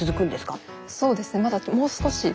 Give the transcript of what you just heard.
そうですねまだもう少し続きます。